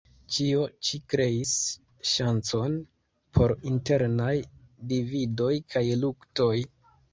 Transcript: Ĉio ĉi kreis ŝancon por internaj dividoj kaj luktoj.